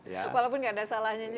walaupun enggak ada salahnya juga